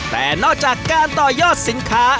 แต่นอกจากการต่อยอดสินค้า